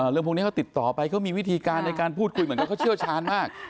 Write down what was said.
เรื่องพวกนี้เขาติดต่อไปเขามีวิธีการในการพูดคุยเหมือนกับเขาเชี่ยวชาญมาก